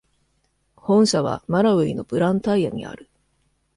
本社はマラウイのブランタイアにある。